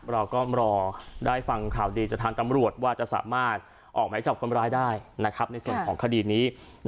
เราก็รอได้ฟังข่าวดีจากทางตำรวจว่าจะสามารถออกหมายจับคนร้ายได้ในส่วนของคดีนี้